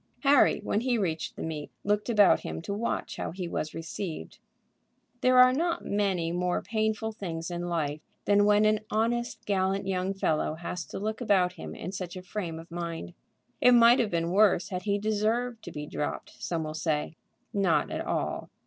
Harry, when he reached the meet, looked about him to watch how he was received. There are not many more painful things in life than when an honest, gallant young fellow has to look about him in such a frame of mind. It might have been worse had he deserved to be dropped, some one will say. Not at all.